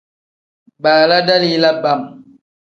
Baala dalila bam.